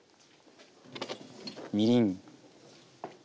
みりん。